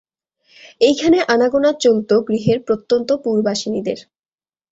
এইখানে আনাগোনা চলত গৃহের প্রত্যন্তপুরবাসিনীদের।